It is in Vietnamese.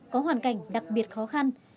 có hoàn cảnh đặc biệt khó khăn